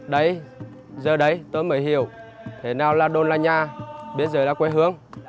đấy giờ đấy tôi mới hiểu thế nào là đồn là nhà biết giờ là quê hương